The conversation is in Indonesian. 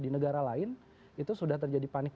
di negara lain itu sudah terjadi panik